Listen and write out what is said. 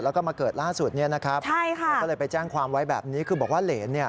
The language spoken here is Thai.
แล้วก็มาเกิดล่าสุดเนี่ยนะครับใช่ค่ะก็เลยไปแจ้งความไว้แบบนี้คือบอกว่าเหรนเนี่ย